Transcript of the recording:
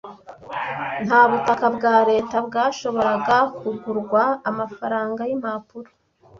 Nta butaka bwa leta bwashoboraga kugurwa amafaranga yimpapuro.